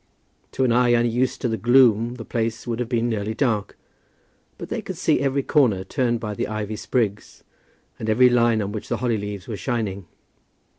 To an eye unused to the gloom the place would have been nearly dark; but they could see every corner turned by the ivy sprigs, and every line on which the holly leaves were shining.